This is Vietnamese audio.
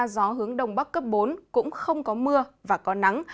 gió hướng đông bắc cấp bốn cũng không có mưa và có nắng